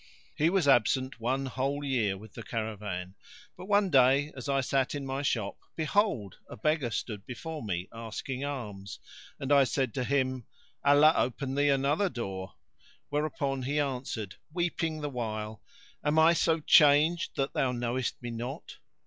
He was absent one whole year with the caravan; but one day as I sat in my shop, behold, a beggar stood before me asking alms, and I said to him, "Allah open thee another door!"[FN#53] Whereupon he answered, weeping the while, "Am I so changed that thou knowest me not?"